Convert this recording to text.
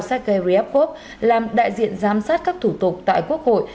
sergei ryevov làm đại diện giám sát các thủ tục tại quốc hội